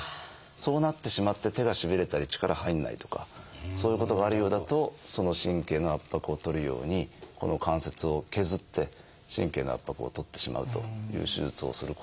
そうなってしまって手がしびれたり力入んないとかそういうことがあるようだとその神経の圧迫を取るようにこの関節を削って神経の圧迫を取ってしまうという手術をすることもあります。